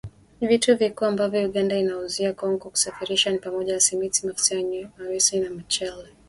Vitu vikuu ambavyo Uganda inaiuzia Kongo kusafirisha ni pamoja na Simenti, mafuta ya mawese na mchele